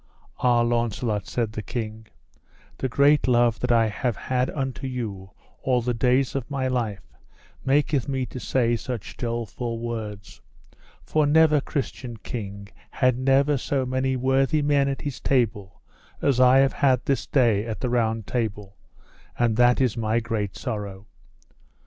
Ah, Launcelot, said the king, the great love that I have had unto you all the days of my life maketh me to say such doleful words; for never Christian king had never so many worthy men at his table as I have had this day at the Round Table, and that is my great sorrow.